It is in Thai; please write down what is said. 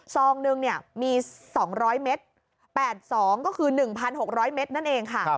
ซองหนึ่งมี๒๐๐เมตร๘๒ก็คือ๑๖๐๐เมตรนั่นเองค่ะ